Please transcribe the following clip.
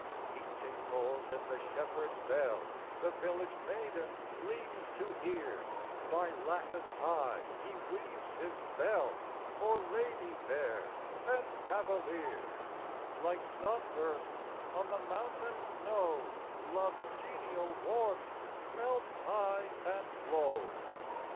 He tinkles in the shepherd s bell The village maiden leans to hear By lattice high he weaves his spell, For lady fair and cavalier : Like sun bursts on the mountain snow, Love s genial warmth melts high and low.